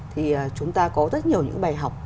thì chúng ta có rất nhiều những bài học